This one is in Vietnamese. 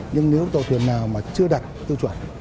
nhưng nếu tàu thuyền nào mà chưa đạt tiêu chuẩn